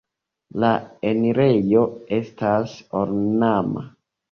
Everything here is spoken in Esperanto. La enirejo estas ornama.